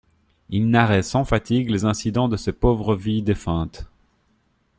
Il narrait sans fatigue les incidents de ces pauvres vies défuntes.